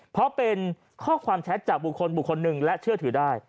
เพราะเป็นข้อความแชทจากบุคคลบุคคลหนึ่งและเชื่อถือได้